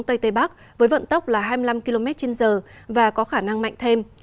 tây tây bắc với vận tốc là hai mươi năm km trên giờ và có khả năng mạnh thêm